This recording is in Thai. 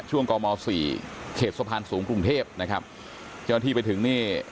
ช่วงกม๔เขตสะพานสูงกรุงเทพนะครับเจ้าที่ไปถึงนี่